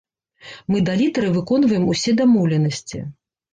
Мы да літары выконваем усе дамоўленасці.